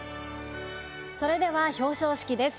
それでは表彰式です。